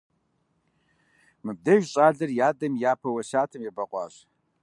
Мыбдеж щӀалэр и адэм и япэ уэсятым ебэкъуащ.